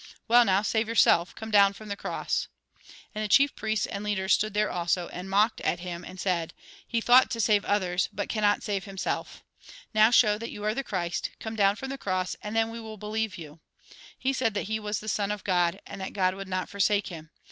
Well now, save your.self, come down from the cross !" And the chief priests and leaders stood there also, and mocked at him, and said :" He thought to save others, but cannot save himself. Now show that you are Christ; come down from the cross, and then we will believe you. He said iS6 THE GOSPEL IN BRIEF that he was the Son of God, and that God would not forsake him.